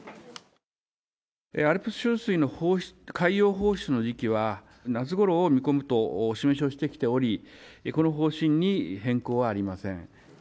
アルプス処理水の海洋放出の時期は、夏ごろを見込むとお示しをしてきており、この方針に変更はありま